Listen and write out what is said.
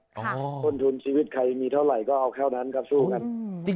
คนทุนชีวิตใครมีเท่าไหร่ก็เอาแค่นั้นครับสู้กัน